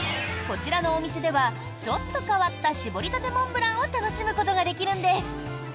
こちらのお店ではちょっと変わった搾りたてモンブランを楽しむことができるんです。